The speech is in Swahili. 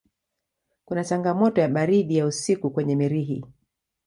Kuna changamoto ya baridi ya usiku kwenye Mirihi.